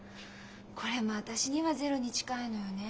これも私にはゼロに近いのよね。